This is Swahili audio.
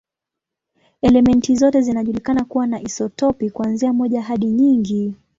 Elementi zote zinajulikana kuwa na isotopi, kuanzia moja hadi nyingi.